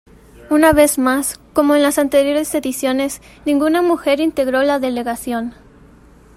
Una vez más, como en las anteriores ediciones, ninguna mujer integró la delegación.